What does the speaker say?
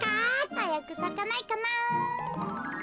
はやくさかないかな。